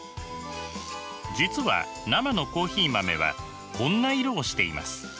実は生のコーヒー豆はこんな色をしています。